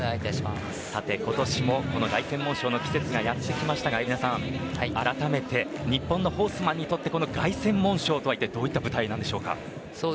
今年も、この凱旋門賞の季節がやってきましたが、蛯名さんあらためて日本のホースマンにとって凱旋門賞とはどういった舞台なんでしょうか？